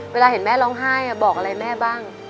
เวลาเห็นแม่ร้องไห้บอกอะไรแม่บ้าง